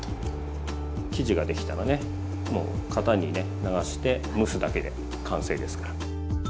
生地ができたらねもう型にね流して蒸すだけで完成ですから。